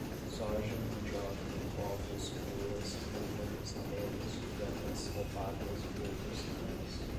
soja, mandioca, ovos, mulas, búfalos, camelos, lhamas, alpacas, burros, cães